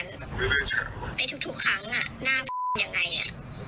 ไม่ทุกครั้งอ่ะหน้ายังไงอ่ะ